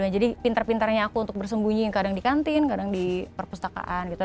jadi pintar pintarnya aku untuk bersembunyi kadang di kantin kadang di perpustakaan gitu